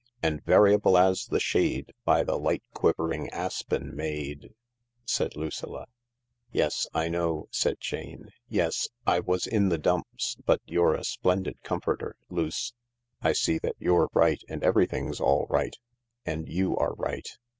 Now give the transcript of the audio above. "' And variable as the shade By the light quivering aspen made .." said Lucilla. " Yes, I know," said Jane. " Yes, I was in the dumps, but you're a splendid comforter, Luce. I see that you're right, and everything's all right. And you are right.